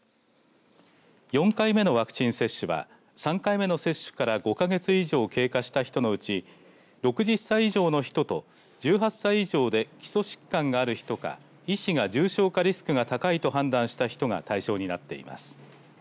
４回目のワクチン接種は３回目の接種から５か月以上経過した人のうち６０歳以上の人と１８歳以上で基礎疾患がある人か医師が重症化リスクが高いと判断した人が対象になっています。